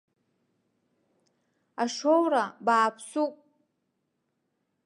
Ашоу ра бааԥсуп.